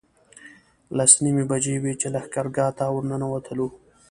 لس نیمې بجې وې چې لښکرګاه ته ورنوتلو.